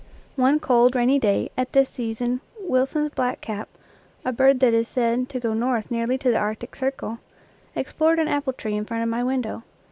One cold, rainy day at this season Wilson's black cap a bird that is said to go north nearly to the Arctic Circle explored an apple tree in front of my window.